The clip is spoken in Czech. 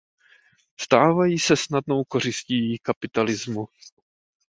Stávají se snadnou kořistí kapitalismu.